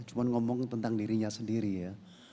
cuma ngomong tentang dirinya sendiri ya